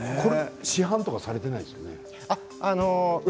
市販はされてないですよね？